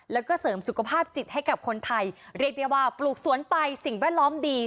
แล้วก็เสริมสุขภาพจิตให้กับคนไทยเรียกได้ว่าปลูกสวนไปสิ่งแวดล้อมดี